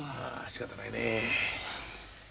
しかたないね。